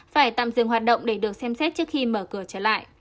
phải tạm dừng hoạt động để được xem xét trước khi mở cửa trở lại